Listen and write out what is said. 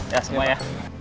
ya semua ya